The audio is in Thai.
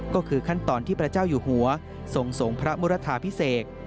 ก็คือขั้นตอนที่พระเจ้าอยู่หัวทรงส่งพระมุรทาพิเศษ